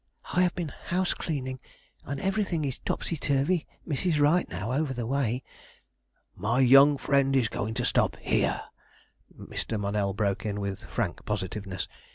I have been house cleaning, and everything is topsy turvy Mrs. Wright, now, over the way " "My young friend is going to stop here," Mr. Mouell broke in, with frank positiveness.